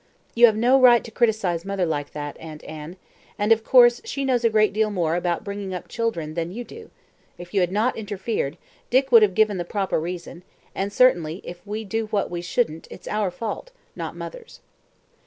"You have no right to criticise mother like that, Aunt Anne, and, of course, she knows a great deal more about bringing up children than you do. If you had not interfered, Dick would have given the proper reason, and, certainly, if we do what we shouldn't it's our fault, not mother's."